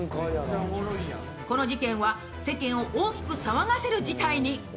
この事件は世間を大きく騒がせる事態に。